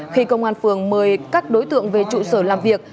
khi công an phường mời các đối tượng về trụ sở làm việc